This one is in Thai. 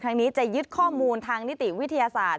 นี้จะยึดข้อมูลทางนิติวิทยาศาสตร์